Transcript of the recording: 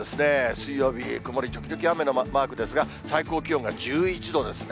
水曜日、曇り時々雨のマークですが、最高気温が１１度ですね。